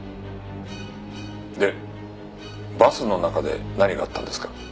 でバスの中で何があったんですか？